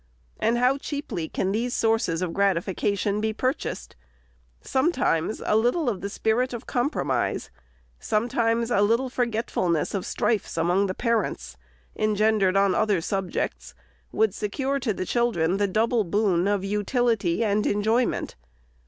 And how cheaply can these sources of gratification be purchased ! Sometimes a little of the spirit of compromise ; some times a little forgetfulness of strifes among the parents, engendered on other subjects, would secure to the children the double boon of utility and enjoyment.